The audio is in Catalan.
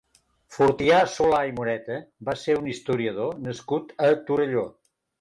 Fortià Solà i Moreta va ser un historiador nascut a Torelló.